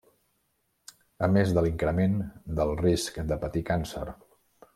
A més de l'increment del risc de patir càncer.